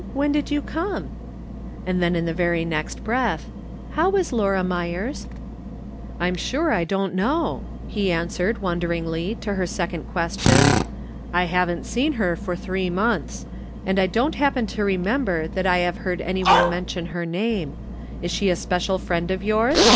When did you come ?" And then in the very next breath :" How is Laura Myers ?"" I'm sure I don't know," he answered, won deringly, to her second question. " I haven't seen her for three months, and I don't happen to remember that I have heard any one mention her name. Is she a special friend of yours